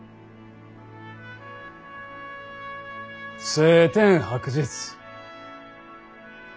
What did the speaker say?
青天白日。